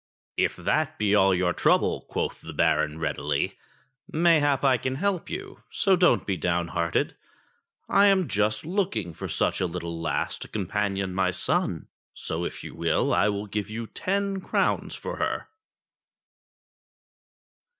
'* "If that be all your trouble," quoth the Baron readily, "mayhap I can help you: so don't be downhearted. I am just looking for such a little lass to companion my son, so if you will, I will give you ten crowns for her."